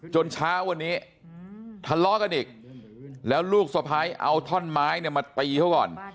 เช้าวันนี้ทะเลาะกันอีกแล้วลูกสะพ้ายเอาท่อนไม้เนี่ยมาตีเขาก่อน